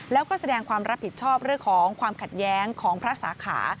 แล้วก็แสดงความรับผิดชอบเรื่องของความขัดแย้งของพระสาขา